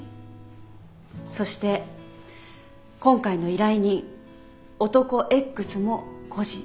そして今回の依頼人男Ｘも個人。